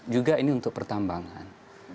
juga ini untuk pertambangan